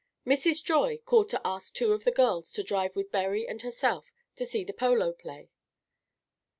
Mrs. Joy called to ask two of the girls to drive with Berry and herself to see the polo play.